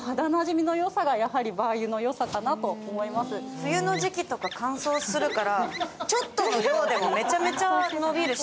冬の時期とか乾燥するからちょっとの量でもめちゃめちゃ伸びるし。